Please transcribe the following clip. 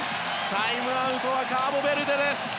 タイムアウトはカーボベルデ。